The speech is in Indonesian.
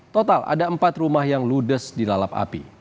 total ada empat rumah yang ludes dilalap api